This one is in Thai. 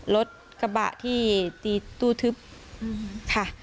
รถกระบะที่ตีตู้ทึบค่ะ